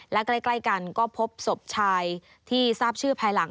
และใกล้กันก็พบศพชายที่ทราบชื่อภายหลัง